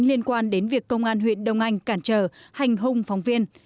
liên quan đến việc công an huyện đông anh cản trở hành hung phóng viên